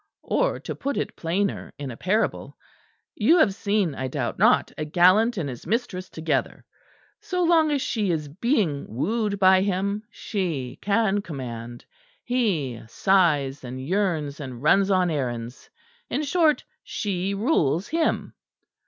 "Or, to put it plainer, in a parable, you have seen, I doubt not, a gallant and his mistress together. So long as she is being wooed by him, she can command; he sighs and yearns and runs on errands in short, she rules him.